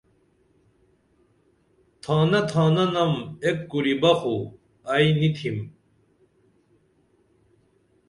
تھانہ تھانہ نم ایک کوریبہ خو ائی نی تِھم